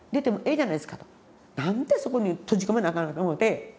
なんでそこに閉じ込めなあかんのと思うて。